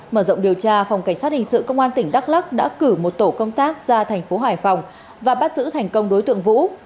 mở rộng điều tra phòng cảnh sát hình sự công an tỉnh đắk lắc đã cử một tổ công tác ra thành phố hải phòng và bắt giữ thành công đối tượng vũ